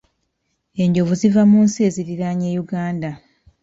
Enjovu ziva mu nsi eziriraanye Uganda.